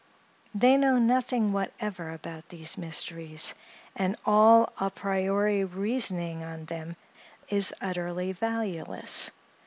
They know nothing whatever about these mysteries; and all a priori reasoning on them is utterly valueless.